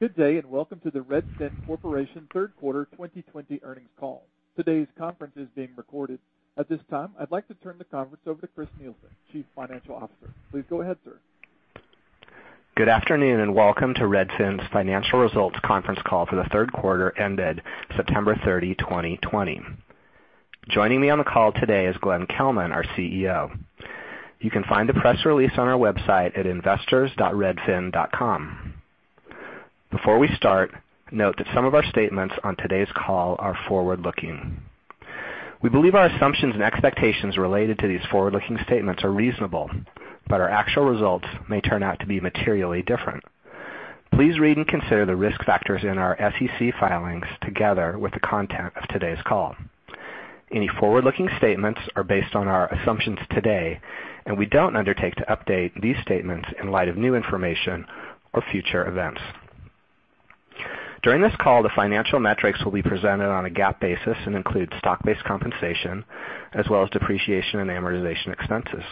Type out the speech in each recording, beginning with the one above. Good day, and welcome to the Redfin Corporation third quarter 2020 earnings call. Today's conference is being recorded. At this time, I'd like to turn the conference over to Chris Nielsen, Chief Financial Officer. Please go ahead, sir. Good afternoon. Welcome to Redfin's financial results conference call for the third quarter ended September 30, 2020. Joining me on the call today is Glenn Kelman, our CEO. You can find the press release on our website at investors.redfin.com. Before we start, note that some of our statements on today's call are forward-looking. We believe our assumptions and expectations related to these forward-looking statements are reasonable, but our actual results may turn out to be materially different. Please read and consider the risk factors in our SEC filings together with the content of today's call. Any forward-looking statements are based on our assumptions today, and we don't undertake to update these statements in light of new information or future events. During this call, the financial metrics will be presented on a GAAP basis and include stock-based compensation as well as depreciation and amortization expenses.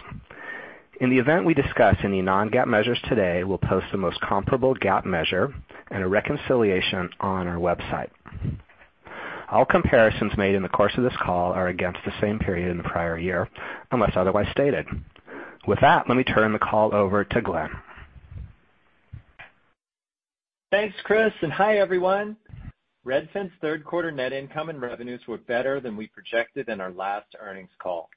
In the event we discuss any non-GAAP measures today, we'll post the most comparable GAAP measure and a reconciliation on our website. All comparisons made in the course of this call are against the same period in the prior year, unless otherwise stated. With that, let me turn the call over to Glenn. Thanks, Chris, and hi, everyone. Redfin's third quarter net income and revenues were better than we projected in our last earnings call.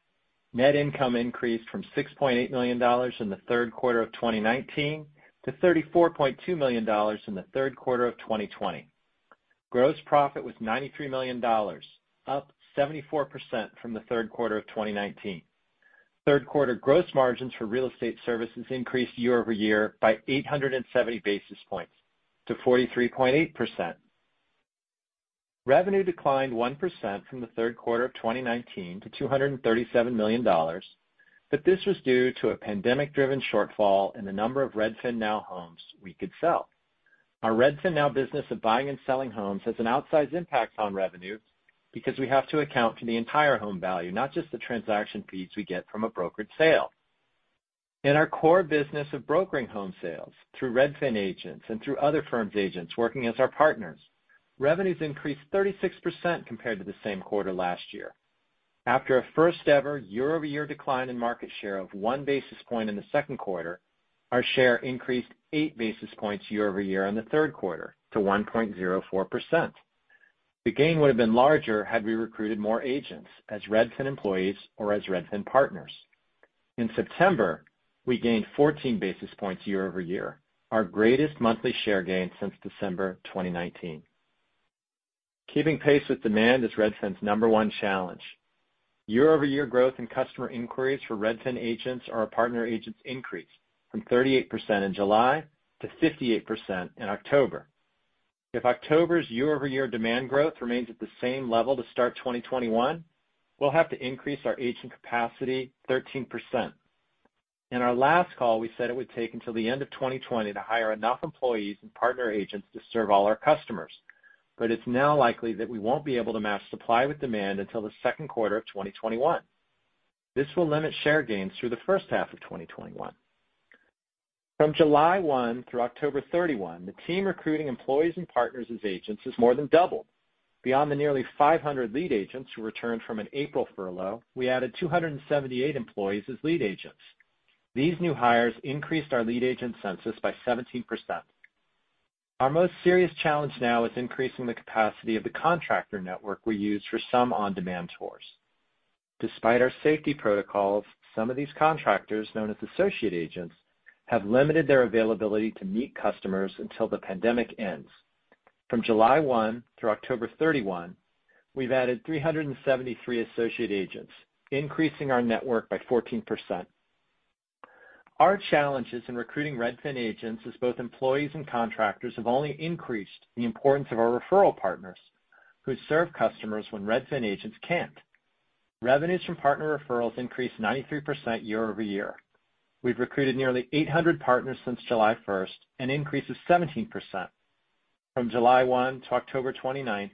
Net income increased from $6.8 million in the third quarter of 2019 to $34.2 million in the third quarter of 2020. Gross profit was $93 million, up 74% from the third quarter of 2019. Third quarter gross margins for real estate services increased year-over-year by 870 basis points to 43.8%. Revenue declined 1% from the third quarter of 2019 to $237 million, but this was due to a pandemic-driven shortfall in the number of RedfinNow homes we could sell. Our RedfinNow business of buying and selling homes has an outsized impact on revenue because we have to account for the entire home value, not just the transaction fees we get from a brokered sale. In our core business of brokering home sales through Redfin agents and through other firms' agents working as our partners, revenues increased 36% compared to the same quarter last year. After a first-ever year-over-year decline in market share of one basis point in the second quarter, our share increased 8 basis points year-over-year in the third quarter to 1.04%. The gain would have been larger had we recruited more agents as Redfin employees or as Redfin partners. In September, we gained 14 basis points year-over-year, our greatest monthly share gain since December 2019. Keeping pace with demand is Redfin's number one challenge. Year-over-year growth in customer inquiries for Redfin agents or our partner agents increased from 38% in July to 58% in October. If October's year-over-year demand growth remains at the same level to start 2021, we'll have to increase our agent capacity 13%. In our last call, we said it would take until the end of 2020 to hire enough employees and partner agents to serve all our customers. It's now likely that we won't be able to match supply with demand until the second quarter of 2021. This will limit share gains through the first half of 2021. From July 1 through October 31, the team recruiting employees and partners as agents has more than doubled. Beyond the nearly 500 lead agents who returned from an April furlough, we added 278 employees as lead agents. These new hires increased our lead agent census by 17%. Our most serious challenge now is increasing the capacity of the contractor network we use for some on-demand tours. Despite our safety protocols, some of these contractors, known as associate agents, have limited their availability to meet customers until the pandemic ends. From July 1 through October 31, we've added 373 associate agents, increasing our network by 14%. Our challenges in recruiting Redfin agents as both employees and contractors have only increased the importance of our referral partners, who serve customers when Redfin agents can't. Revenues from partner referrals increased 93% year-over-year. We've recruited nearly 800 partners since July 1st, an increase of 17%. From July 1 to October 29th,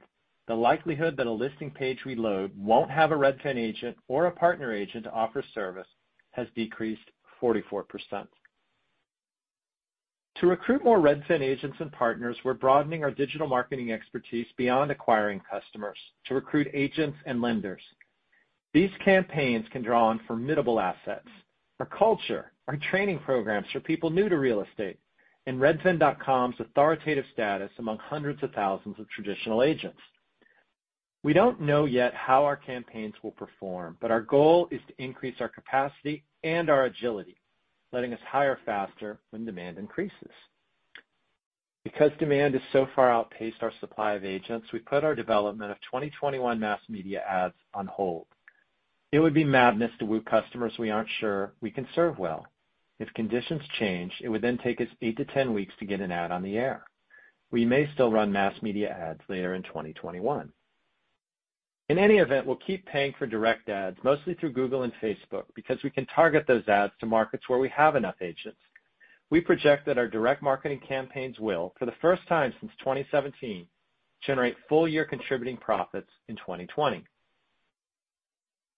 the likelihood that a listing page reload won't have a Redfin agent or a partner agent to offer service has decreased 44%. To recruit more Redfin agents and partners, we're broadening our digital marketing expertise beyond acquiring customers to recruit agents and lenders. These campaigns can draw on formidable assets. Our culture, our training programs for people new to real estate, and redfin.com's authoritative status among hundreds of thousands of traditional agents. We don't know yet how our campaigns will perform, but our goal is to increase our capacity and our agility, letting us hire faster when demand increases. Because demand has so far outpaced our supply of agents, we put our development of 2021 mass media ads on hold. It would be madness to woo customers we aren't sure we can serve well. If conditions change, it would then take us 8-10 weeks to get an ad on the air. We may still run mass media ads later in 2021. In any event, we'll keep paying for direct ads, mostly through Google and Facebook, because we can target those ads to markets where we have enough agents. We project that our direct marketing campaigns will, for the first time since 2017, generate full-year contributing profits in 2020.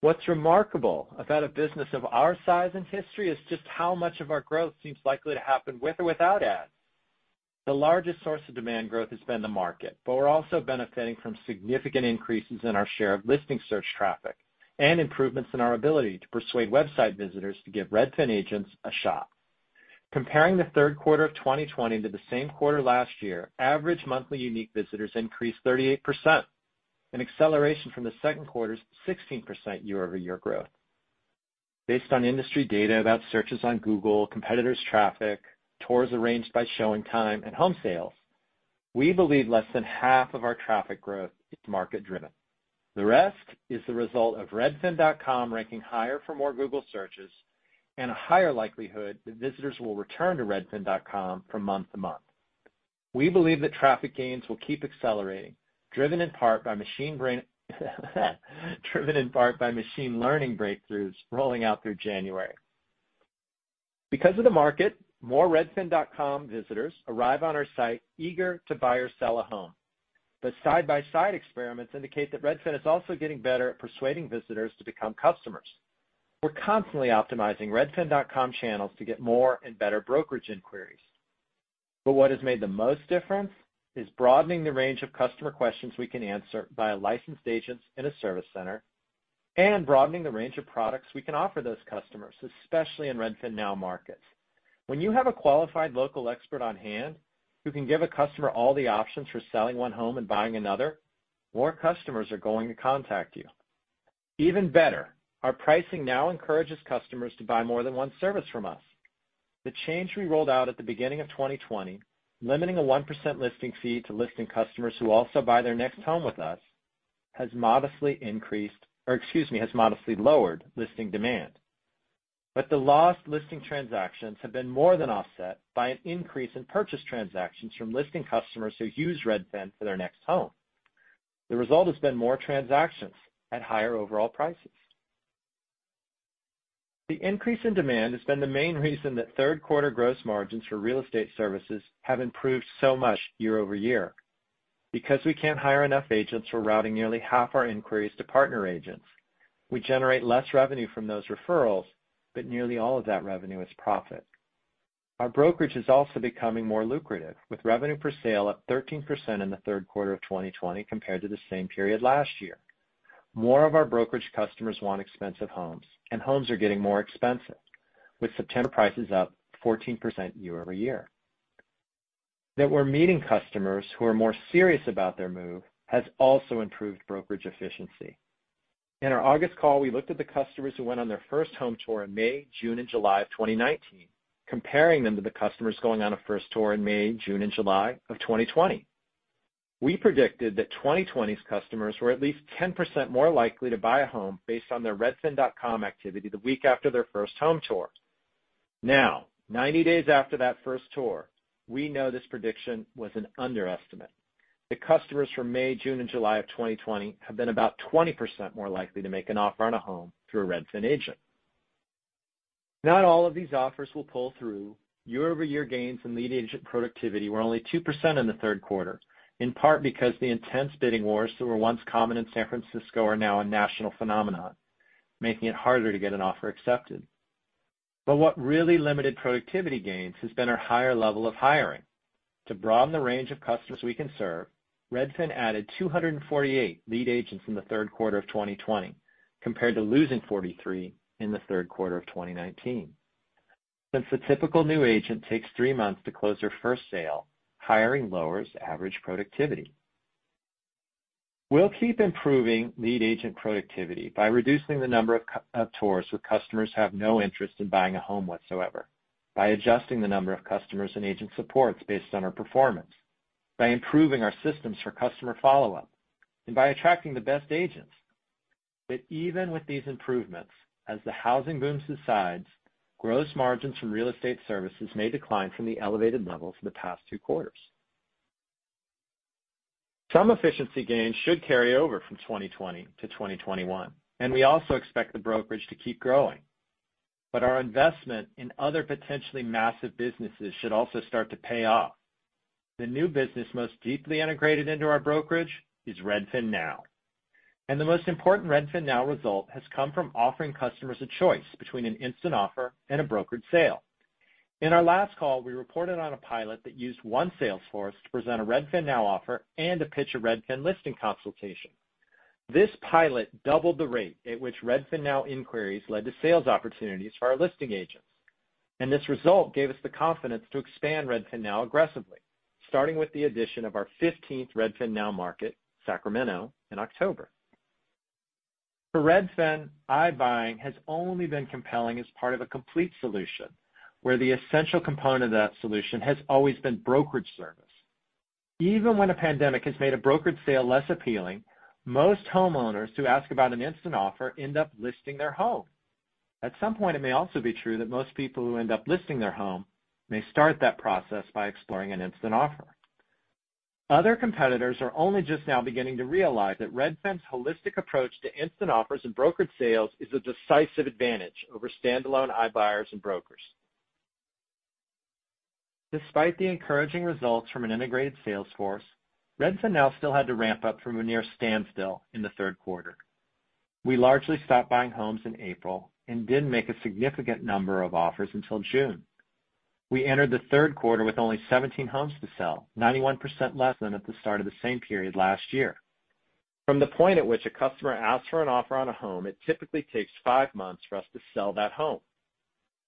What's remarkable about a business of our size and history is just how much of our growth seems likely to happen with or without ads. The largest source of demand growth has been the market, but we're also benefiting from significant increases in our share of listing search traffic and improvements in our ability to persuade website visitors to give Redfin agents a shot. Comparing the third quarter of 2020 to the same quarter last year, average monthly unique visitors increased 38%, an acceleration from the second quarter's 16% year-over-year growth. Based on industry data about searches on Google, competitors' traffic, tours arranged by ShowingTime, and home sales, we believe less than half of our traffic growth is market-driven. The rest is the result of redfin.com ranking higher for more Google searches and a higher likelihood that visitors will return to redfin.com from month to month. We believe that traffic gains will keep accelerating, driven in part by machine learning breakthroughs rolling out through January. Because of the market, more redfin.com visitors arrive on our site eager to buy or sell a home. Side-by-side experiments indicate that Redfin is also getting better at persuading visitors to become customers. We're constantly optimizing redfin.com channels to get more and better brokerage inquiries. What has made the most difference is broadening the range of customer questions we can answer via licensed agents in a service center and broadening the range of products we can offer those customers, especially in RedfinNow markets. When you have a qualified local expert on hand, who can give a customer all the options for selling one home and buying another, more customers are going to contact you. Even better, our pricing now encourages customers to buy more than one service from us. The change we rolled out at the beginning of 2020, limiting a 1% listing fee to listing customers who also buy their next home with us, has modestly lowered listing demand. The lost listing transactions have been more than offset by an increase in purchase transactions from listing customers who use Redfin for their next home. The result has been more transactions at higher overall prices. The increase in demand has been the main reason that third quarter gross margins for real estate services have improved so much year-over-year. Because we can't hire enough agents, we're routing nearly half our inquiries to partner agents. Nearly all of that revenue is profit. Our brokerage is also becoming more lucrative, with revenue per sale up 13% in the third quarter of 2020 compared to the same period last year. Homes are getting more expensive, with September prices up 14% year-over-year. That we're meeting customers who are more serious about their move has also improved brokerage efficiency. In our August call, we looked at the customers who went on their first home tour in May, June, and July of 2019, comparing them to the customers going on a first tour in May, June, and July of 2020. We predicted that 2020's customers were at least 10% more likely to buy a home based on their redfin.com activity the week after their first home tour. Now, 90 days after that first tour, we know this prediction was an underestimate. The customers from May, June, and July of 2020 have been about 20% more likely to make an offer on a home through a Redfin agent. Not all of these offers will pull through. Year-over-year gains in lead agent productivity were only 2% in the third quarter, in part because the intense bidding wars that were once common in San Francisco are now a national phenomenon, making it harder to get an offer accepted. What really limited productivity gains has been our higher level of hiring. To broaden the range of customers we can serve, Redfin added 248 lead agents in the third quarter of 2020, compared to losing 43 in the third quarter of 2019. Since the typical new agent takes three months to close their first sale, hiring lowers average productivity. We'll keep improving lead agent productivity by reducing the number of tours where customers have no interest in buying a home whatsoever, by adjusting the number of customers and agent supports based on our performance, by improving our systems for customer follow-up, and by attracting the best agents. Even with these improvements, as the housing boom subsides, gross margins from real estate services may decline from the elevated levels of the past two quarters. Some efficiency gains should carry over from 2020 to 2021, and we also expect the brokerage to keep growing. Our investment in other potentially massive businesses should also start to pay off. The new business most deeply integrated into our brokerage is RedfinNow. The most important RedfinNow result has come from offering customers a choice between an instant offer and a brokered sale. In our last call, we reported on a pilot that used one sales force to present a RedfinNow offer and to pitch a Redfin listing consultation. This pilot doubled the rate at which RedfinNow inquiries led to sales opportunities for our listing agents, and this result gave us the confidence to expand RedfinNow aggressively, starting with the addition of our 15th RedfinNow market, Sacramento, in October. For Redfin, iBuying has only been compelling as part of a complete solution, where the essential component of that solution has always been brokerage service. Even when a pandemic has made a brokered sale less appealing, most homeowners who ask about an instant offer end up listing their home. At some point it may also be true that most people who end up listing their home may start that process by exploring an instant offer. Other competitors are only just now beginning to realize that Redfin's holistic approach to instant offers and brokered sales is a decisive advantage over standalone iBuyers and brokers. Despite the encouraging results from an integrated sales force, RedfinNow still had to ramp up from a near standstill in the third quarter. We largely stopped buying homes in April and didn't make a significant number of offers until June. We entered the third quarter with only 17 homes to sell, 91% less than at the start of the same period last year. From the point at which a customer asks for an offer on a home, it typically takes five months for us to sell that home.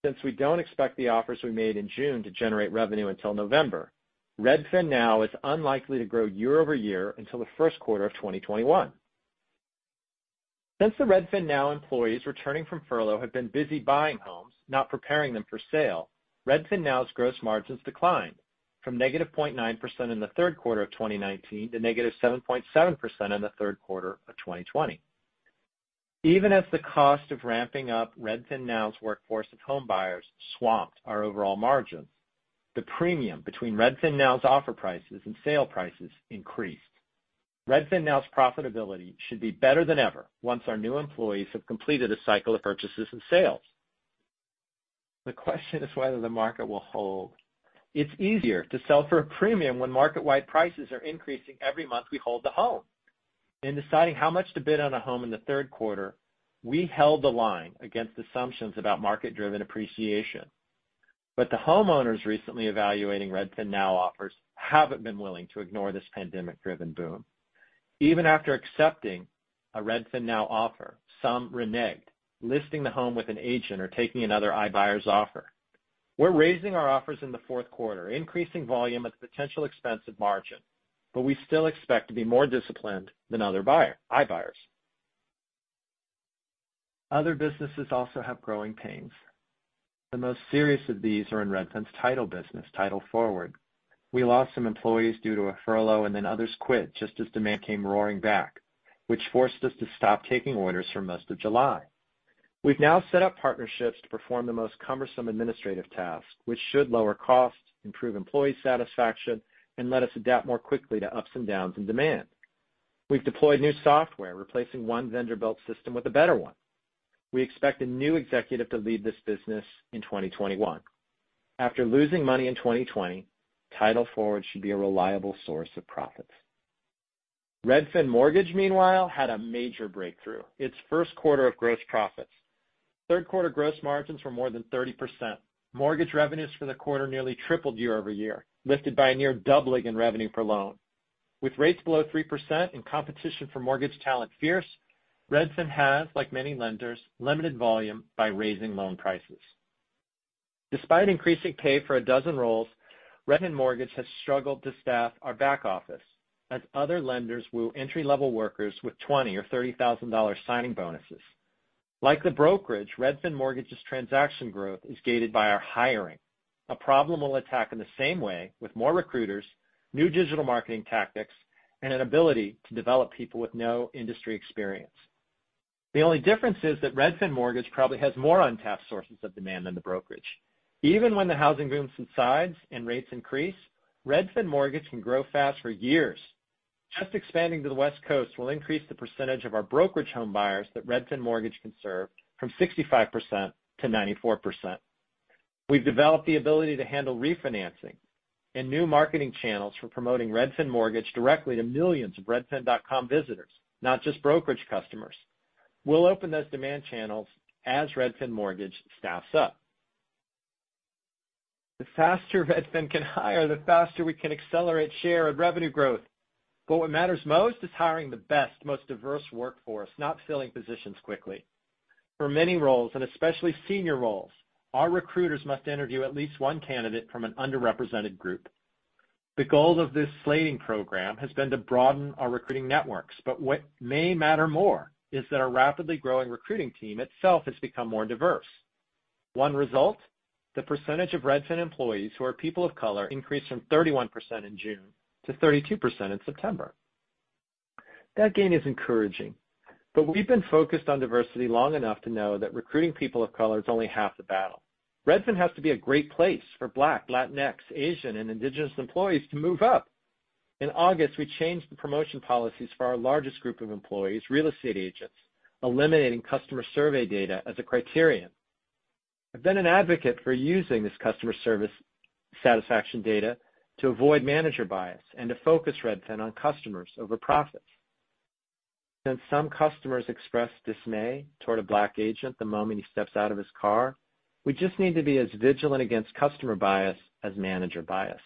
Since we don't expect the offers we made in June to generate revenue until November, RedfinNow is unlikely to grow year-over-year until the first quarter of 2021. Since the RedfinNow employees returning from furlough have been busy buying homes, not preparing them for sale, RedfinNow's gross margins declined from -0.9% in the third quarter of 2019 to -7.7% in the third quarter of 2020. Even as the cost of ramping up RedfinNow's workforce of home buyers swamped our overall margin, the premium between RedfinNow's offer prices and sale prices increased. RedfinNow's profitability should be better than ever once our new employees have completed a cycle of purchases and sales. The question is whether the market will hold. It's easier to sell for a premium when market-wide prices are increasing every month we hold the home. In deciding how much to bid on a home in the third quarter, we held the line against assumptions about market-driven appreciation. The homeowners recently evaluating RedfinNow offers haven't been willing to ignore this pandemic-driven boom. Even after accepting a RedfinNow offer, some reneged, listing the home with an agent or taking another iBuyer's offer. We're raising our offers in the fourth quarter, increasing volume at the potential expense of margin, we still expect to be more disciplined than other iBuyers. Other businesses also have growing pains. The most serious of these are in Redfin's title business, Title Forward. We lost some employees due to a furlough, and then others quit just as demand came roaring back, which forced us to stop taking orders for most of July. We've now set up partnerships to perform the most cumbersome administrative tasks, which should lower costs, improve employee satisfaction, and let us adapt more quickly to ups and downs in demand. We've deployed new software, replacing one vendor-built system with a better one. We expect a new executive to lead this business in 2021. After losing money in 2020, Title Forward should be a reliable source of profits. Redfin Mortgage, meanwhile, had a major breakthrough, its first quarter of gross profits. Third quarter gross margins were more than 30%. Mortgage revenues for the quarter nearly tripled year-over-year, lifted by a near doubling in revenue per loan. With rates below 3% and competition for mortgage talent fierce, Redfin has, like many lenders, limited volume by raising loan prices. Despite increasing pay for a dozen roles, Redfin Mortgage has struggled to staff our back office as other lenders woo entry-level workers with $20,000 or $30,000 signing bonuses. Like the brokerage, Redfin Mortgage's transaction growth is gated by our hiring, a problem we'll attack in the same way with more recruiters, new digital marketing tactics, and an ability to develop people with no industry experience. The only difference is that Redfin Mortgage probably has more untapped sources of demand than the brokerage. Even when the housing boom subsides and rates increase, Redfin Mortgage can grow fast for years. Just expanding to the West Coast will increase the percentage of our brokerage home buyers that Redfin Mortgage can serve from 65% to 94%. We've developed the ability to handle refinancing and new marketing channels for promoting Redfin Mortgage directly to millions of redfin.com visitors, not just brokerage customers. We'll open those demand channels as Redfin Mortgage staffs up. The faster Redfin can hire, the faster we can accelerate share and revenue growth. What matters most is hiring the best, most diverse workforce, not filling positions quickly. For many roles, and especially senior roles, our recruiters must interview at least one candidate from an underrepresented group. The goal of this slating program has been to broaden our recruiting networks. What may matter more is that our rapidly growing recruiting team itself has become more diverse. One result, the percentage of Redfin employees who are people of color increased from 31% in June to 32% in September. That gain is encouraging, but we've been focused on diversity long enough to know that recruiting people of color is only half the battle. Redfin has to be a great place for Black, Latinx, Asian, and Indigenous employees to move up. In August, we changed the promotion policies for our largest group of employees, real estate agents, eliminating customer survey data as a criterion. I've been an advocate for using this customer service satisfaction data to avoid manager bias and to focus Redfin on customers over profits. Since some customers express dismay toward a Black agent the moment he steps out of his car, we just need to be as vigilant against customer bias as manager bias.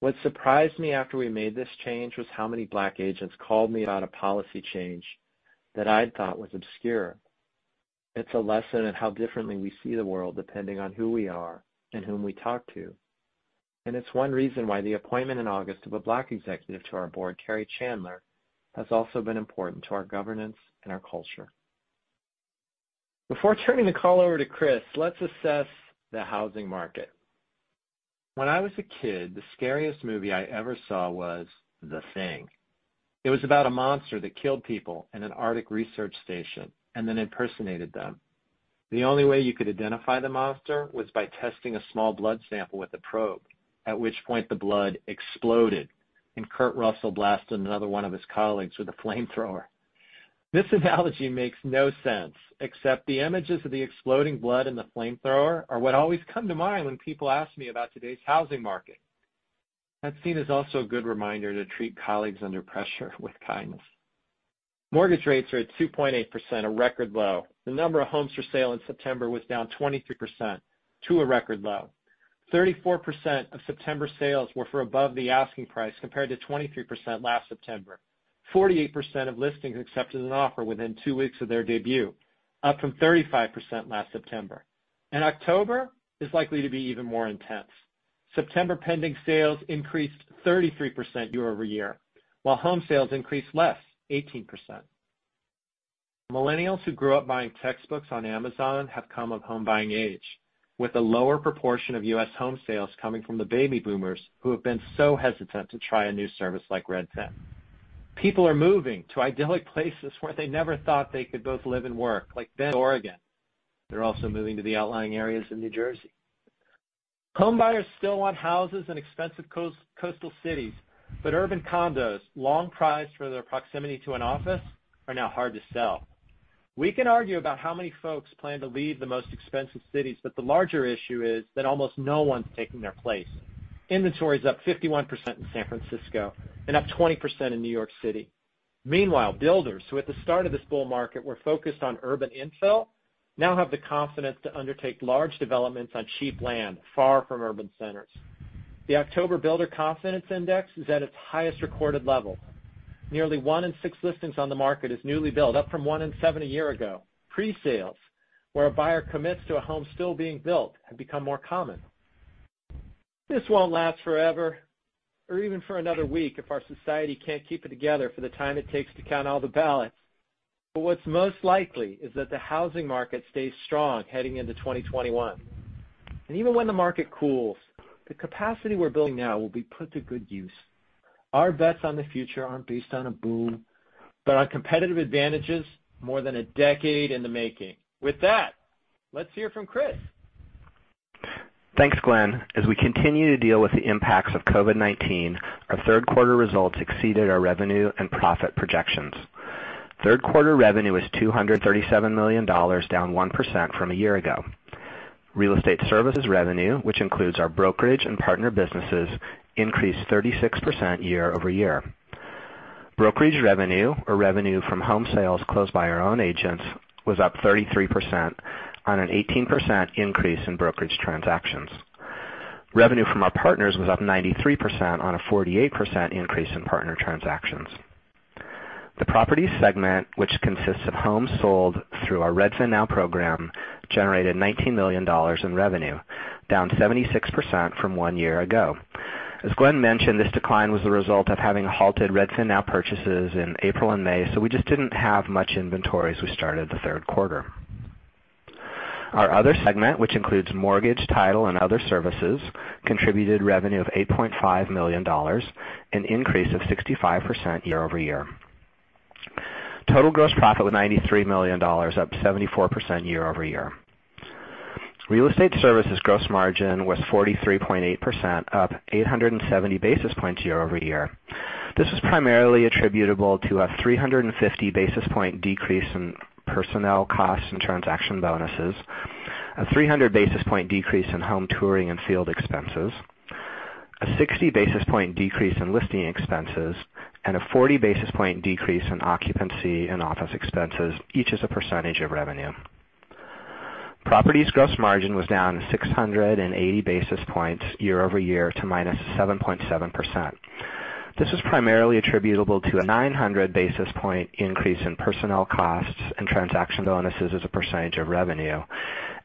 What surprised me after we made this change was how many Black agents called me about a policy change that I'd thought was obscure. It's a lesson in how differently we see the world depending on who we are and whom we talk to, and it's one reason why the appointment in August of a Black executive to our board, Kerry Chandler, has also been important to our governance and our culture. Before turning the call over to Chris, let's assess the housing market. When I was a kid, the scariest movie I ever saw was The Thing. It was about a monster that killed people in an Arctic research station and then impersonated them. The only way you could identify the monster was by testing a small blood sample with a probe, at which point the blood exploded, and Kurt Russell blasted another one of his colleagues with a flamethrower. This analogy makes no sense, except the images of the exploding blood and the flamethrower are what always come to mind when people ask me about today's housing market. That scene is also a good reminder to treat colleagues under pressure with kindness. Mortgage rates are at 2.8%, a record low. The number of homes for sale in September was down 23% to a record low. 34% of September sales were for above the asking price, compared to 23% last September. 48% of listings accepted an offer within two weeks of their debut, up from 35% last September. October is likely to be even more intense. September pending sales increased 33% year-over-year, while home sales increased less, 18%. Millennials who grew up buying textbooks on Amazon have come of home-buying age, with a lower proportion of U.S. home sales coming from the baby boomers who have been so hesitant to try a new service like Redfin. People are moving to idyllic places where they never thought they could both live and work, like Bend, Oregon. They're also moving to the outlying areas of New Jersey. Home buyers still want houses in expensive coastal cities, but urban condos, long prized for their proximity to an office, are now hard to sell. We can argue about how many folks plan to leave the most expensive cities, but the larger issue is that almost no one's taking their place. Inventory is up 51% in San Francisco and up 20% in New York City. Builders, who at the start of this bull market were focused on urban infill, now have the confidence to undertake large developments on cheap land far from urban centers. The October Builder Confidence Index is at its highest recorded level. Nearly one in six listings on the market is newly built, up from one in seven a year ago. Pre-sales, where a buyer commits to a home still being built, have become more common. This won't last forever, or even for another week if our society can't keep it together for the time it takes to count all the ballots. What's most likely is that the housing market stays strong heading into 2021. Even when the market cools, the capacity we're building now will be put to good use. Our bets on the future aren't based on a boom, but on competitive advantages more than a decade in the making. With that, let's hear from Chris. Thanks, Glenn. As we continue to deal with the impacts of COVID-19, our third-quarter results exceeded our revenue and profit projections. Third-quarter revenue was $237 million, down 1% from a year ago. Real estate services revenue, which includes our brokerage and partner businesses, increased 36% year-over-year. Brokerage revenue, or revenue from home sales closed by our own agents, was up 33% on an 18% increase in brokerage transactions. Revenue from our partners was up 93% on a 48% increase in partner transactions. The properties segment, which consists of homes sold through our RedfinNow program, generated $19 million in revenue, down 76% from one year ago. As Glenn mentioned, this decline was the result of having halted RedfinNow purchases in April and May, so we just didn't have much inventory as we started the third quarter. Our other segment, which includes mortgage, title, and other services, contributed revenue of $8.5 million, an increase of 65% year-over-year. Total gross profit was $93 million, up 74% year-over-year. Real estate services gross margin was 43.8%, up 870 basis points year-over-year. This is primarily attributable to a 350 basis point decrease in personnel costs and transaction bonuses, a 300 basis point decrease in home touring and field expenses, a 60 basis point decrease in listing expenses, and a 40 basis point decrease in occupancy and office expenses, each as a percentage of revenue. Properties gross margin was down 680 basis points year-over-year to -7.7%. This is primarily attributable to a 900 basis point increase in personnel costs and transaction bonuses as a percentage of revenue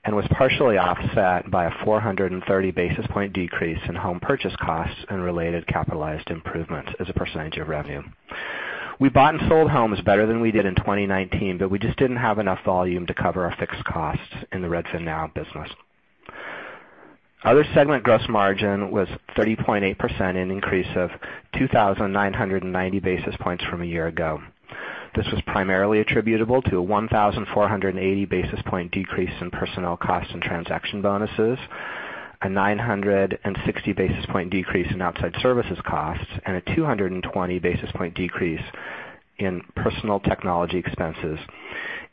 and was partially offset by a 430 basis point decrease in home purchase costs and related capitalized improvements as a percentage of revenue. We bought and sold homes better than we did in 2019, we just didn't have enough volume to cover our fixed costs in the RedfinNow business. Other segment gross margin was 30.8%, an increase of 2,990 basis points from a year ago. This was primarily attributable to a 1,480 basis point decrease in personnel costs and transaction bonuses, a 960 basis point decrease in outside services costs, and a 220 basis point decrease in personal technology expenses,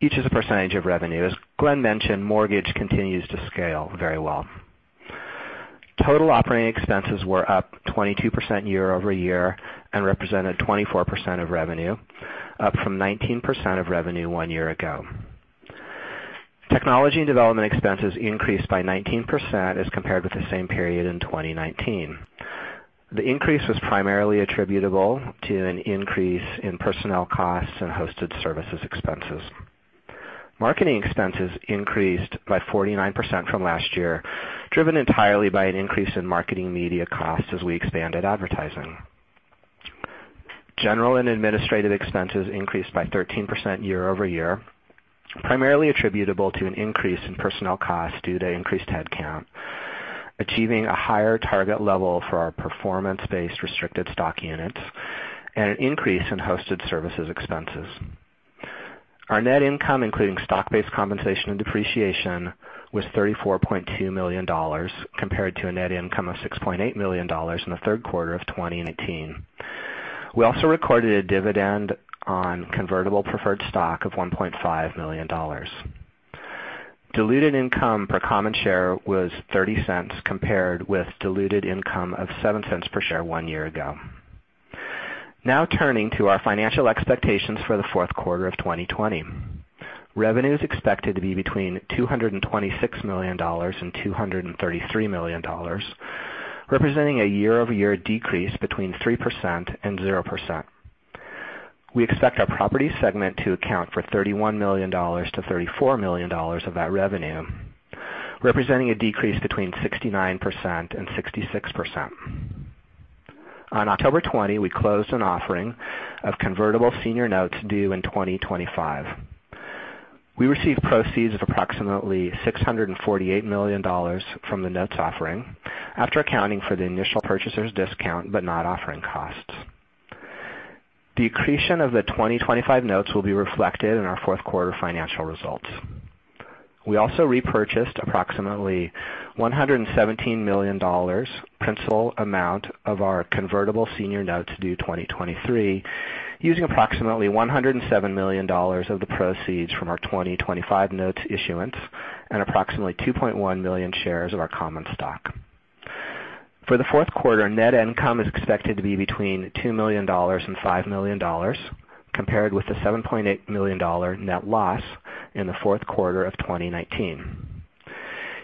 each as a percentage of revenue. As Glenn mentioned, mortgage continues to scale very well. Total operating expenses were up 22% year-over-year and represented 24% of revenue, up from 19% of revenue one year ago. Technology and development expenses increased by 19% as compared with the same period in 2019. The increase was primarily attributable to an increase in personnel costs and hosted services expenses. Marketing expenses increased by 49% from last year, driven entirely by an increase in marketing media costs as we expanded advertising. General and administrative expenses increased by 13% year-over-year, primarily attributable to an increase in personnel costs due to increased headcount, achieving a higher target level for our performance-based restricted stock units, and an increase in hosted services expenses. Our net income, including stock-based compensation and depreciation, was $34.2 million, compared to a net income of $6.8 million in the third quarter of 2019. We also recorded a dividend on convertible preferred stock of $1.5 million. Diluted income per common share was $0.30, compared with diluted income of $0.07 per share one year ago. Turning to our financial expectations for the fourth quarter of 2020. Revenue is expected to be between $226 million and $233 million, representing a year-over-year decrease between 3% and 0%. We expect our property segment to account for between $31 million and $34 million of that revenue, representing a decrease between 69% and 66%. On October 20, we closed an offering of convertible senior notes due in 2025. We received proceeds of approximately $648 million from the notes offering after accounting for the initial purchaser's discount, but not offering costs. The accretion of the 2025 notes will be reflected in our fourth quarter financial results. We also repurchased approximately $117 million principal amount of our convertible senior notes due 2023, using approximately $107 million of the proceeds from our 2025 notes issuance and approximately 2.1 million shares of our common stock. For the fourth quarter, net income is expected to be between $2 million and $5 million, compared with the $7.8 million net loss in the fourth quarter of 2019.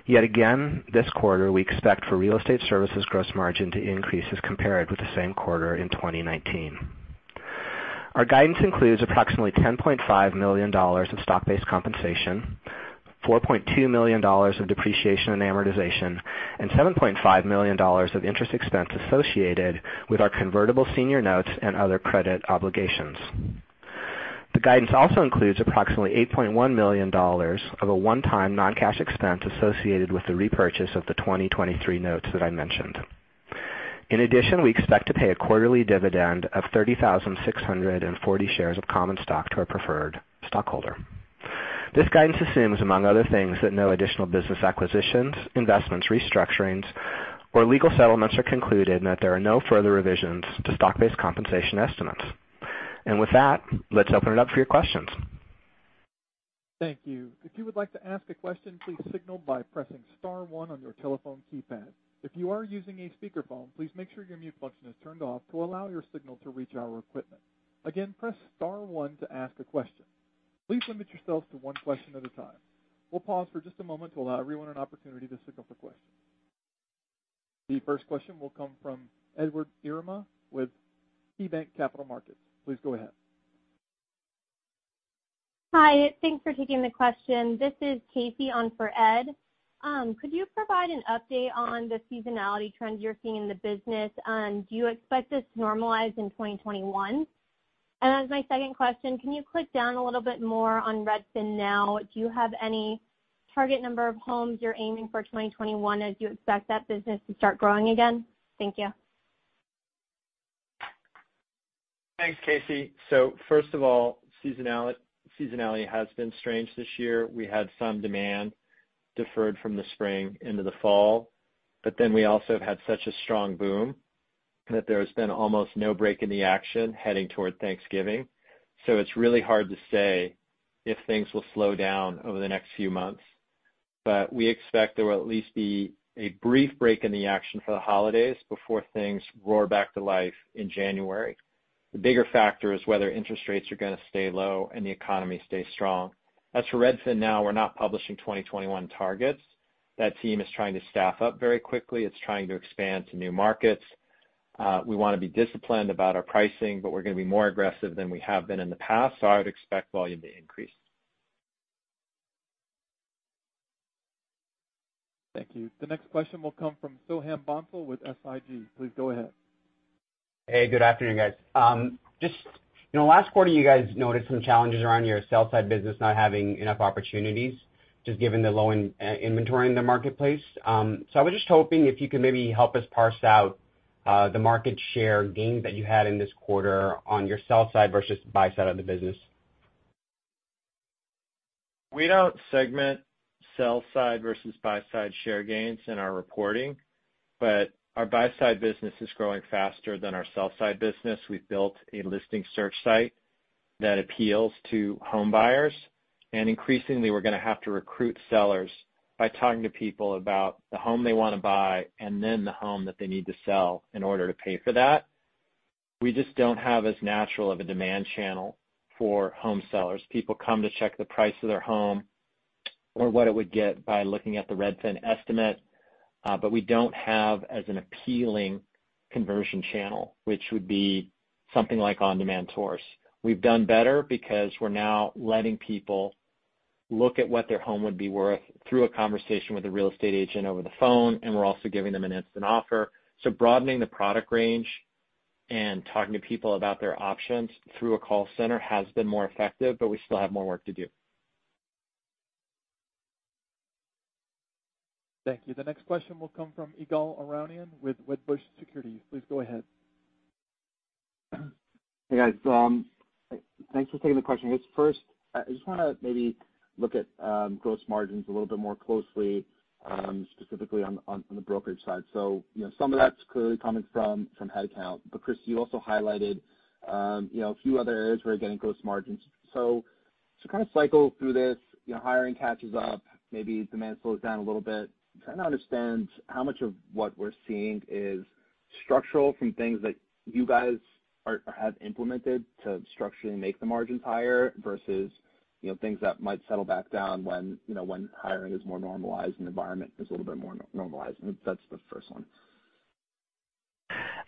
This quarter, we expect for real estate services gross margin to increase as compared with the same quarter in 2019. Our guidance includes approximately $10.5 million of stock-based compensation, $4.2 million of depreciation and amortization, and $7.5 million of interest expense associated with our convertible senior notes and other credit obligations. The guidance also includes approximately $8.1 million of a one-time non-cash expense associated with the repurchase of the 2023 notes that I mentioned. In addition, we expect to pay a quarterly dividend of 30,640 shares of common stock to our preferred stockholder. This guidance assumes, among other things, that no additional business acquisitions, investments, restructurings, or legal settlements are concluded, and that there are no further revisions to stock-based compensation estimates. With that, let's open it up for your questions. Thank you. If you would like to ask a question, please signal by pressing star one on your telephone keypad. If you are using a speakerphone, please make sure your mute function is turned off to allow your signal to reach our equipment. Again, press star one to ask a question. Please limit yourself to one question at a time. We'll pause for just a moment to allow everyone an opportunity to signal for questions. The first question will come from Edward Yruma with KeyBanc Capital Markets. Please go ahead. Hi. Thanks for taking the question. This is Casey on for Ed. Could you provide an update on the seasonality trends you're seeing in the business? Do you expect this to normalize in 2021? As my second question, can you click down a little bit more on RedfinNow? Do you have any target number of homes you're aiming for 2021 as you expect that business to start growing again? Thank you. Thanks, Casey. First of all, seasonality has been strange this year. We had some demand deferred from the spring into the fall, but then we also have had such a strong boom that there has been almost no break in the action heading toward Thanksgiving. It's really hard to say if things will slow down over the next few months. We expect there will at least be a brief break in the action for the holidays before things roar back to life in January. The bigger factor is whether interest rates are going to stay low and the economy stays strong. As for RedfinNow, we're not publishing 2021 targets. That team is trying to staff up very quickly. It's trying to expand to new markets. We want to be disciplined about our pricing, but we're going to be more aggressive than we have been in the past, so I would expect volume to increase. Thank you. The next question will come from Soham Bhonsle with SIG. Please go ahead. Hey, good afternoon, guys. Just in the last quarter, you guys noted some challenges around your sell-side business not having enough opportunities, just given the low inventory in the marketplace. I was just hoping if you could maybe help us parse out the market share gains that you had in this quarter on your sell side versus buy side of the business. We don't segment sell-side versus buy-side share gains in our reporting. Our buy-side business is growing faster than our sell-side business. We've built a listing search site that appeals to home buyers, increasingly, we're going to have to recruit sellers by talking to people about the home they want to buy and then the home that they need to sell in order to pay for that. We just don't have as natural of a demand channel for home sellers. People come to check the price of their home or what it would get by looking at the Redfin Estimate, we don't have as an appealing conversion channel, which would be something like on-demand tours. We've done better because we're now letting people look at what their home would be worth through a conversation with a real estate agent over the phone, and we're also giving them an instant offer. Broadening the product range and talking to people about their options through a call center has been more effective, but we still have more work to do. Thank you. The next question will come from Ygal Arounian with Wedbush Securities. Please go ahead. Hey, guys. Thanks for taking the question. I guess first, I just want to maybe look at gross margins a little bit more closely, specifically on the brokerage side. Some of that's clearly coming from head count. Chris, you also highlighted a few other areas where you're getting gross margins. To cycle through this, hiring catches up, maybe demand slows down a little bit. I'm trying to understand how much of what we're seeing is structural from things that you guys have implemented to structurally make the margins higher versus things that might settle back down when hiring is more normalized and the environment is a little bit more normalized. That's the first one.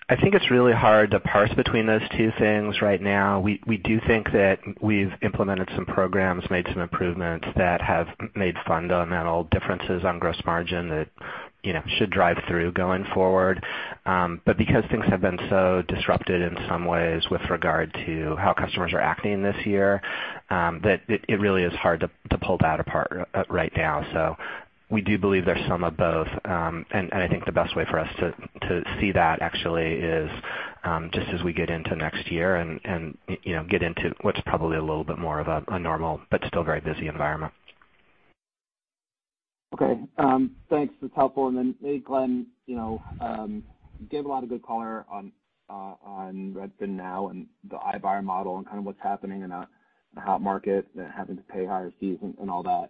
I think it's really hard to parse between those two things right now. We do think that we've implemented some programs, made some improvements that have made fundamental differences on gross margin that should drive through going forward. Because things have been so disrupted in some ways with regard to how customers are acting this year, that it really is hard to pull that apart right now. We do believe there's some of both. I think the best way for us to see that actually is just as we get into next year and get into what's probably a little bit more of a normal but still very busy environment. Okay. Thanks. That's helpful. Then, hey, Glenn, you gave a lot of good color on RedfinNow and the iBuyer model and what's happening in a hot market and having to pay higher fees and all that.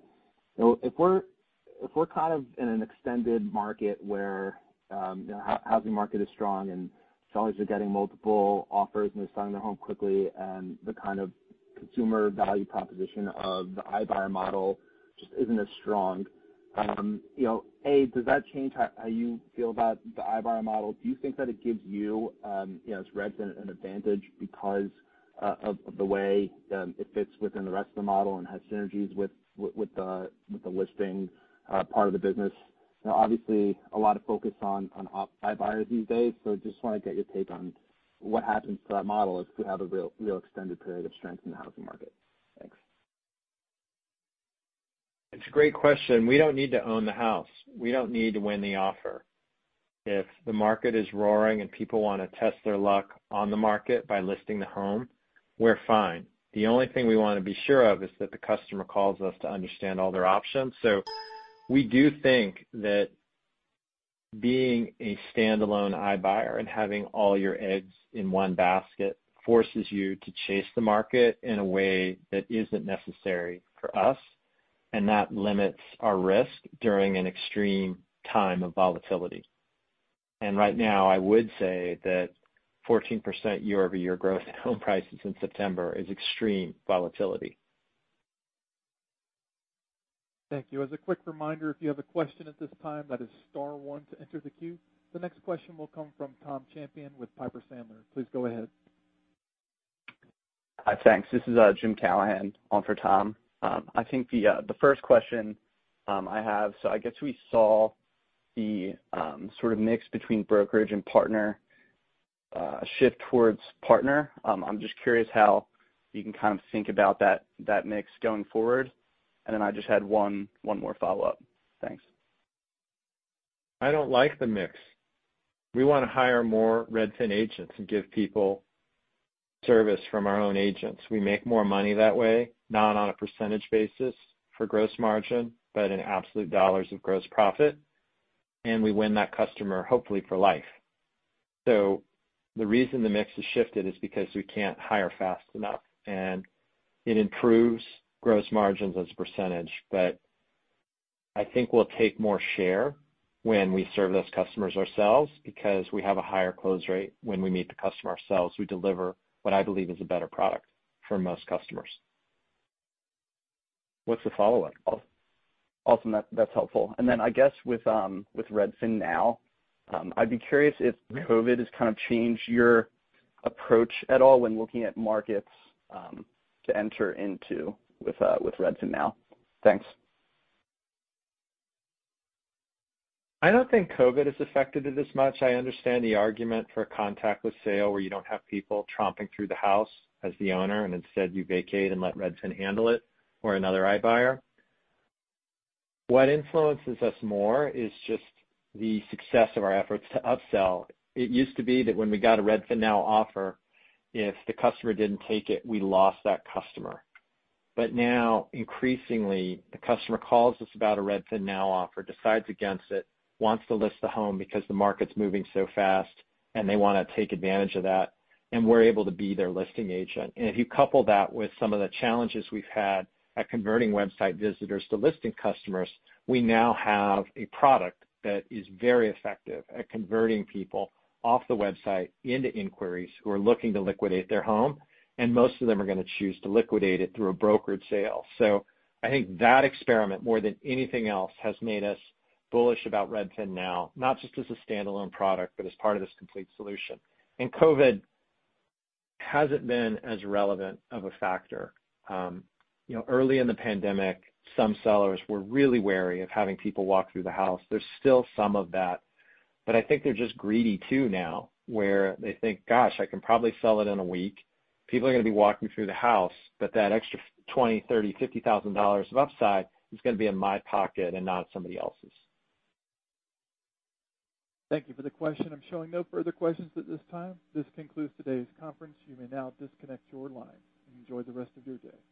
If we're in an extended market where the housing market is strong and sellers are getting multiple offers and they're selling their home quickly, and the kind of consumer value proposition of the iBuyer model just isn't as strong, A, does that change how you feel about the iBuyer model? Do you think that it gives you, as Redfin, an advantage because of the way that it fits within the rest of the model and has synergies with the listing part of the business? Obviously, a lot of focus on iBuyers these days, so just want to get your take on what happens to that model if we have a real extended period of strength in the housing market. Thanks. It's a great question. We don't need to own the house. We don't need to win the offer. If the market is roaring and people want to test their luck on the market by listing the home, we're fine. The only thing we want to be sure of is that the customer calls us to understand all their options. We do think that being a standalone iBuyer and having all your eggs in one basket forces you to chase the market in a way that isn't necessary for us, and that limits our risk during an extreme time of volatility. Right now, I would say that 14% year-over-year growth in home prices in September is extreme volatility. Thank you. As a quick reminder, if you have a question at this time, that is star one to enter the queue. The next question will come from Tom Champion with Piper Sandler. Please go ahead. Hi, thanks. This is Jim Callahan on for Tom. I think the first question I have, I guess we saw the sort of mix between brokerage and partner shift towards partner. I'm just curious how you can think about that mix going forward. I just had one more follow-up. Thanks. I don't like the mix. We want to hire more Redfin agents and give people service from our own agents. We make more money that way, not on a percentage basis for gross margin, but in absolute dollars of gross profit. We win that customer, hopefully for life. The reason the mix has shifted is because we can't hire fast enough, and it improves gross margins as a percentage. I think we'll take more share when we serve those customers ourselves because we have a higher close rate when we meet the customer ourselves. We deliver what I believe is a better product for most customers. What's the follow-up? Awesome. That's helpful. I guess with RedfinNow, I'd be curious if COVID has changed your approach at all when looking at markets to enter into with RedfinNow. Thanks. I don't think COVID has affected it this much. I understand the argument for a contactless sale where you don't have people tromping through the house as the owner, and instead you vacate and let Redfin handle it or another iBuyer. What influences us more is just the success of our efforts to upsell. It used to be that when we got a RedfinNow offer, if the customer didn't take it, we lost that customer. Now, increasingly, the customer calls us about a RedfinNow offer, decides against it, wants to list the home because the market's moving so fast and they want to take advantage of that, and we're able to be their listing agent. If you couple that with some of the challenges we've had at converting website visitors to listing customers, we now have a product that is very effective at converting people off the website into inquiries who are looking to liquidate their home, and most of them are going to choose to liquidate it through a brokered sale. I think that experiment, more than anything else, has made us bullish about RedfinNow, not just as a standalone product, but as part of this complete solution. COVID hasn't been as relevant of a factor. Early in the pandemic, some sellers were really wary of having people walk through the house. There's still some of that, but I think they're just greedy too now, where they think, "Gosh, I can probably sell it in one week. People are going to be walking through the house, but that extra $20,000, $30,000, $50,000 of upside is going to be in my pocket and not somebody else's. Thank you for the question. I'm showing no further questions at this time. This concludes today's conference. You may now disconnect your line. Enjoy the rest of your day.